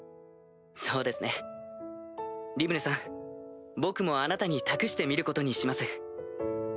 そうですねリムルさん僕もあなたに託してみることにします。